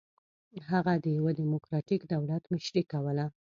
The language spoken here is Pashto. هغه د یوه ډیموکراټیک دولت مشري کوله.